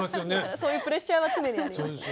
そういうプレッシャーは常にあります。